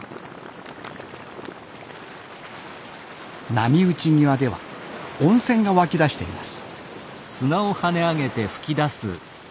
波打ち際では温泉が湧き出しています。